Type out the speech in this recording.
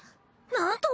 なんと！